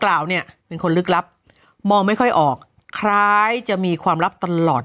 เนี่ยเป็นคนลึกลับมองไม่ค่อยออกคล้ายจะมีความลับตลอด